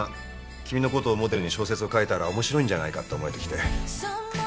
君のことをモデルに小説を書いたら面白いんじゃないかと思えてきて。